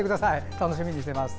楽しみにしています。